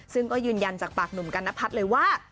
ซึ่งก็ยืนยันจากปากหนุ่มกัณพัฒน์เลยว่า